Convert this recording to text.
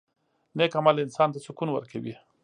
• نیک عمل انسان ته سکون ورکوي.